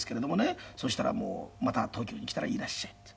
そしたら「また東京に来たらいらっしゃい」って言う。